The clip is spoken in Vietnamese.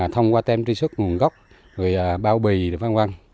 thông qua tem truy xuất nguồn gốc người bao bì v v